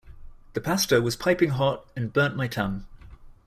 The pasta was piping hot and burnt my tongue.